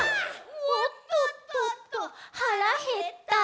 「おっとっとっと腹減った」